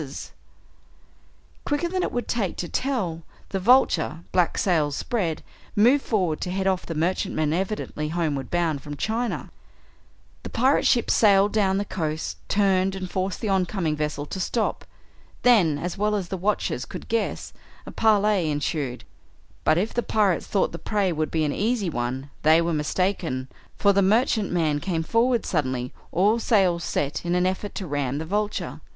Quicker than it would take to tell, the Vulture, black sails spread, moved forward to head off the merchantman evidently homeward bound from China. The pirate ship sailed down the coast, turned, and forced the oncoming vessel to stop. Then, as well as the watchers could guess, a parley ensued, but if the pirates thought the prey would be an easy one they were mistaken, for the merchantman came forward suddenly, all sails set, in an effort to ram the Vulture.